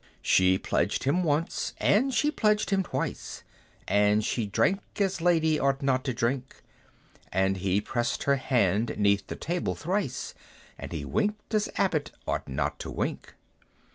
She pledged him once, and she pledged him twice, And she drank as Lady ought not to drink; And he pressed her hand 'neath the table thrice, And he winked as Abbot ought not to wink.